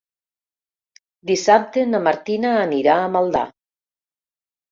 Dissabte na Martina anirà a Maldà.